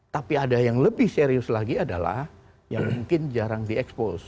tapi ada yang lebih serius lagi adalah yang mungkin jarang di expose